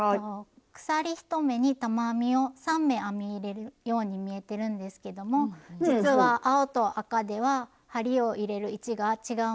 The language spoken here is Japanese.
鎖１目に玉編みを３目編み入れるように見えてるんですけども実は青と赤では針を入れる位置が違うんです。